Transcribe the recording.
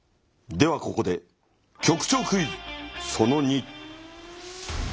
ではここで局長クイズその２。